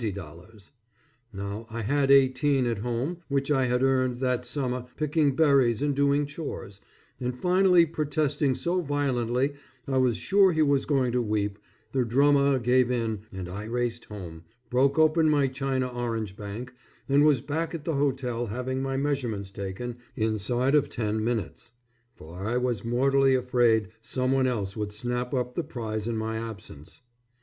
Now I had $18 at home which I had earned that summer picking berries and doing chores, and finally protesting so violently I was sure he was going to weep, the drummer gave in and I raced home, broke open my china orange bank, and was back at the hotel having my measurements taken inside of ten minutes, for I was mortally afraid some one else would snap up the prize in my absence.